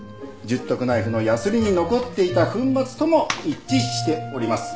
十徳ナイフのやすりに残っていた粉末とも一致しております。